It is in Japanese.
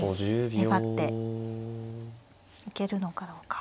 粘っていけるのかどうか。